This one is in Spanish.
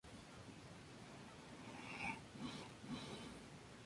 Sus influencias estilísticas incluyen a Thelonious Monk, Duke Ellington y John Cage.